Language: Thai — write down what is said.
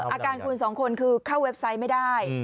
อาการคุณสองคนคือเข้าเว็บไซต์ไม่ได้